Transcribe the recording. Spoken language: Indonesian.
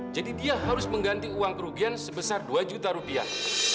jadi dia harus mengganti uang kerugian sebesar dua juta rupiah